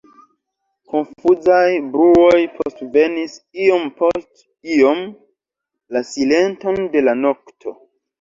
Konfuzaj bruoj postvenis iom post iom la silenton de la nokto.